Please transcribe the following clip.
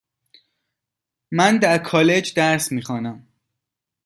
من در کالج درس میخوانم.